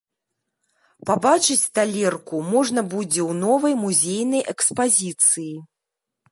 Пабачыць талерку можна будзе ў новай музейнай экспазіцыі.